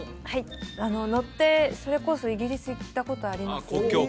はい乗ってそれこそイギリス行ったことあります